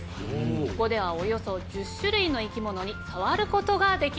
ここではおよそ１０種類の生き物に触ることができます。